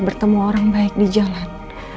bertemu orang baik di jalan